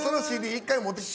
１回持ってきて。